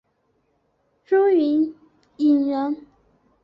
朱云影人。